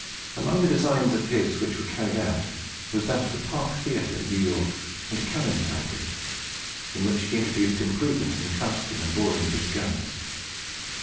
Among the designs of his which were carried out, was that of the Park Theatre at New York, and a cannon foundry, in which he introduced improvements in casting and boring big guns.